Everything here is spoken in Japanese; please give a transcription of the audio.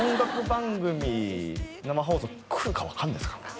番組生放送来るか分かんないですからね